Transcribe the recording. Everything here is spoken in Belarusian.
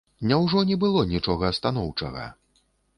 Няўжо не было нічога станоўчага?